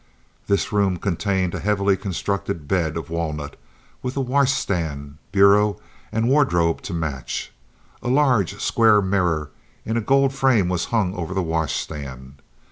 This room contained a heavily constructed bed of walnut, with washstand, bureau, and wardrobe to match. A large, square mirror in a gold frame was hung over the washstand.